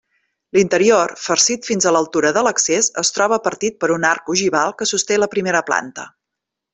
L'interior, farcit fins a l'altura de l'accés, es troba partit per un arc ogival que sosté la primera planta.